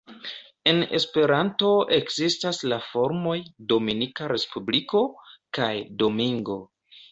En Esperanto ekzistas la formoj "Dominika Respubliko" kaj "Domingo".